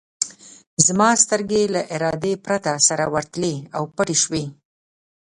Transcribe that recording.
زما سترګې له ارادې پرته سره ورتللې او پټې شوې.